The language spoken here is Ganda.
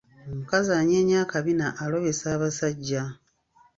Omukazi anyeenya akabina alobesa abasajja.